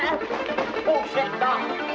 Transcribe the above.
wah pites lu ya